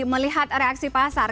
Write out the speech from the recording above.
melihat reaksi pasar